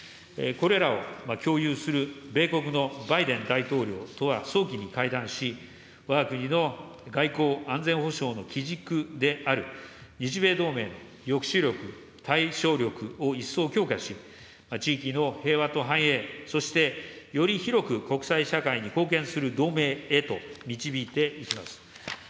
これらを共有する米国のバイデン大統領とは早期に会談し、わが国の外交・安全保障の基軸である日米同盟、抑止力、対処力を一層強化し、地域の平和と繁栄、そしてより広く国際社会に貢献する同盟へと導いていきます。